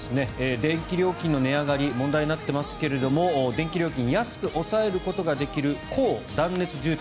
電気料金の値上がり問題になっていますが電気料金安く抑えることができる高断熱住宅。